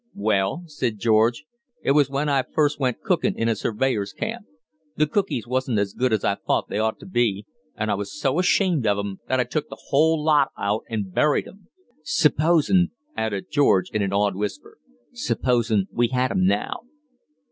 "Well," said George, "it was when I first went cookin' in a surveyor's camp. The cookies wasn't as good as I thought they ought to be, and I was so ashamed of 'em that I took the whole lot out and buried 'em. Supposin'," added George, in an awed whisper, "supposin' we had 'em now!"